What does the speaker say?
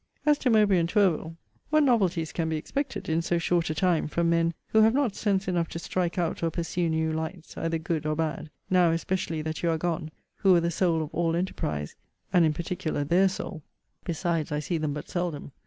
As to Mowbray and Tourville; what novelties can be expected, in so short a time, from men, who have not sense enough to strike out or pursue new lights, either good or bad; now, especially, that you are gone, who were the soul of all enterprise, and in particular their soul. Besides, I see them but seldom.